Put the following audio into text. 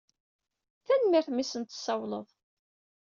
Tanemmirt i mi sen-tessawleḍ.